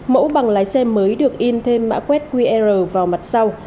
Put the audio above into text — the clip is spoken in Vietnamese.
mẫu bằng lái xe mới được in thêm mã quét qr vào mặt sau